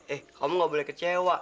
eh kamu gak boleh kecewa